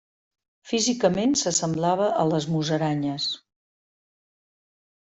Físicament s'assemblava a les musaranyes.